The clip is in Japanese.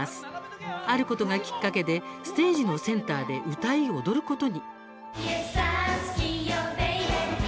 あることがきっかけでステージのセンターで歌い踊ることに。